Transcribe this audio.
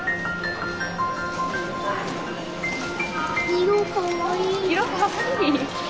色かわいい？